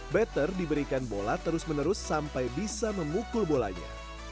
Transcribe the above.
batter diberikan bola terus menerus sampai bisa memukul bolanya